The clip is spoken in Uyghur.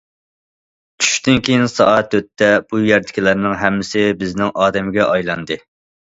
چۈشتىن كېيىن سائەت تۆتتە بۇ يەردىكىلەرنىڭ ھەممىسى بىزنىڭ ئادەمگە ئايلاندى.